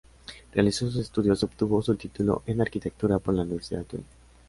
Realizó sus estudios y obtuvo su título en Arquitectura por la Universidad de Turín.